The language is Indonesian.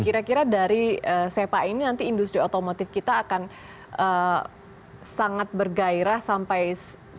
kira kira dari sepa ini nanti industri otomotif kita akan sangat bergairah sampai